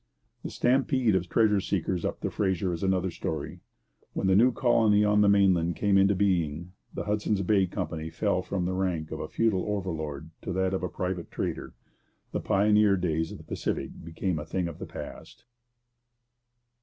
The stampede of treasure seekers up the Fraser is another story. When the new colony on the mainland came into being, and the Hudson's Bay Company fell from the rank of a feudal overlord to that of a private trader, the pioneer days of the Pacific became a thing of the past.